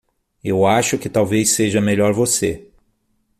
Eu acho que talvez seja melhor você.